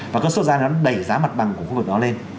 và cơn sốt ra nó đẩy giá mặt bằng của khu vực đó lên